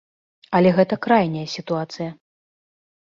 Але гэта крайняя сітуацыя.